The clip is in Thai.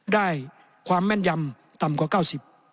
ได้ความแม่นยำต่ำกว่า๙๐